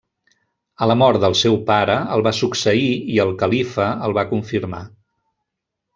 A la mort del seu pare el va succeir i el califa el va confirmar.